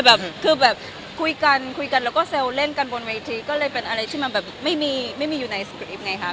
แบบคือแบบคุยกันคุยกันแล้วก็เซลล์เล่นกันบนเวทีก็เลยเป็นอะไรที่มันแบบไม่มีไม่มีอยู่ในสกริปต์ไงครับ